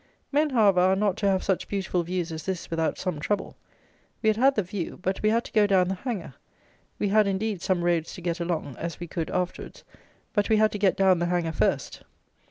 Men, however, are not to have such beautiful views as this without some trouble. We had had the view; but we had to go down the hanger. We had, indeed, some roads to get along, as we could, afterwards; but we had to get down the hanger first.